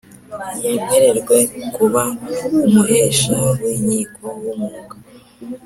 yemererwe kuba umuhesha w inkiko w umwuga.